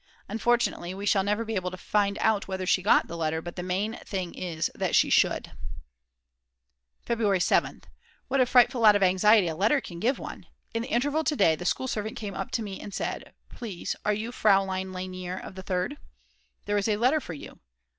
Unfortunately we shall never be able to find out whether she got the letter, but the main thing is that she should. February 7th. What a frightful lot of anxiety a letter can give one! In the interval to day the school servant came up to me and said: Please are you Fraulein Lainer of the Third. "There is a letter for you."